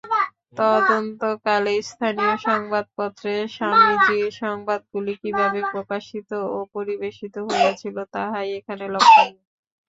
তদানীন্তনকালে স্থানীয় সংবাদপত্রে স্বামীজীর সংবাদগুলি কিভাবে প্রকাশিত ও পরিবেশিত হইয়াছিল, তাহাই এখানে লক্ষণীয়।